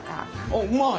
お！